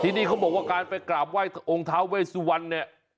นี่เขาบอกว่าการไปกราบไหว้องค์ท้าเวสวันเนี่ย